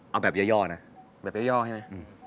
เอาแบบย่อย่อนะแบบย่อย่อย่อใช่ไหม